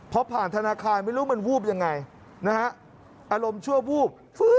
เพราะผ่านธนาคารไม่รู้มันวูบยังไงอารมณ์ชวบวูบ